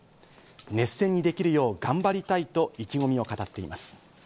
熱戦にできるよう頑張りたいと意気込みを語っています。